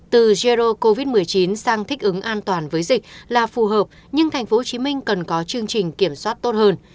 tăng thích ứng an toàn với dịch là phù hợp nhưng tp hcm cần có chương trình kiểm soát tốt hơn